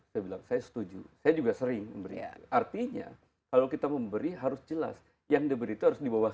saya setuju saya juga sering artinya kalau kita memberi harus jelas yang diberi terus di bawah